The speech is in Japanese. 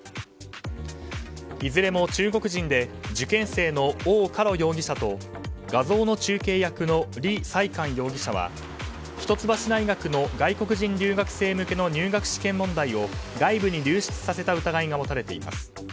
いずれも中国人で受験生のオウ・カロ容疑者と画像の中継役のリ・サイカン容疑者は一橋大学の外国人留学生向けの入学試験問題を外部に流出させた疑いが持たれています。